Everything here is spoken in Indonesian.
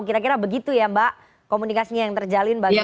kira kira begitu ya mbak komunikasinya yang terjalin bagaimana